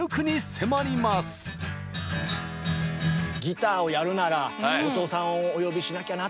ギターをやるなら後藤さんをお呼びしなきゃなと。